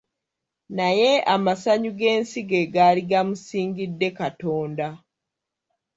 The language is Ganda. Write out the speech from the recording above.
Naye amasanyu g'ensi ge gaali gamusingidde katonda.